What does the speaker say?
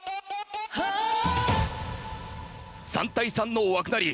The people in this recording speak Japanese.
３対３の枠なり